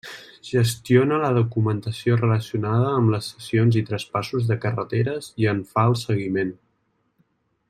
Gestiona la documentació relacionada amb les cessions i traspassos de carreteres i en fa el seguiment.